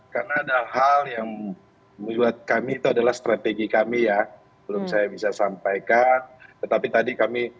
karena ada hal yang menilai kami itu adalah strategi kami ya belum saya bisa sampaikan tapi tadi kami